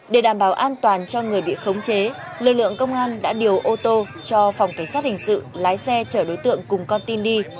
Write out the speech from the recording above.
để đảm bảo an toàn cho người bị khống chế lực lượng công an đã điều ô tô cho phòng cảnh sát hình sự lái xe chở đối tượng cùng con tin đi